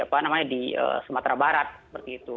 ya pak namanya di sumatera barat seperti itu